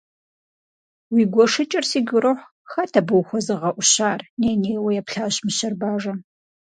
Уи гуэшыкӀэр сигу ирохь, хэт абы ухуэзыгъэӀущар? - ней-нейуэ еплъащ мыщэр бажэм.